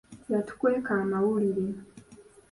Yatukweeka amawulire.